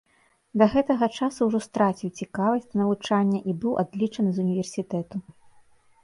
Да гэтага часу ўжо страціў цікавасць да навучання і быў адлічаны з універсітэту.